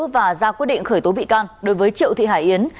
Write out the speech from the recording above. và ra quyết định khởi tố bị can đối với triệu thị hải yến